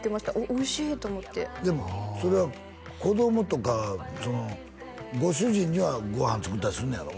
おいしいと思ってでもそれは子供とかご主人にはご飯作ったりするんやろ？